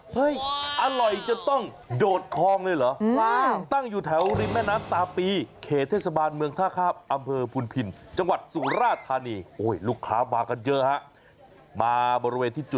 เฮ้ยอร่อยจะต้องโดดคลองเลยเหรอตั้งอยู่แถวริมแม่น้ำตาปี